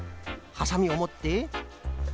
はさみをもって。